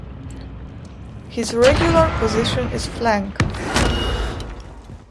His regular position is flank.